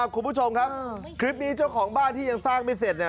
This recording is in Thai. คุณผู้ชมครับคลิปนี้เจ้าของบ้านที่ยังสร้างไม่เสร็จ